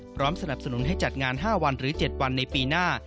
สนับสนุนให้จัดงาน๕วันหรือ๗วันในปีหน้า